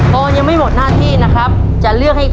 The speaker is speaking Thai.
ตัวเลือดที่๓ม้าลายกับนกแก้วมาคอ